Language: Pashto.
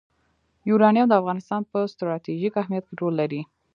یورانیم د افغانستان په ستراتیژیک اهمیت کې رول لري.